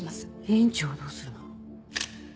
院長はどうするの？